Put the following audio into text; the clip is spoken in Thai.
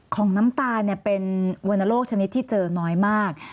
ของน้ำตาลเป็นวรรณโลกชนิดที่เจอน้อยมาก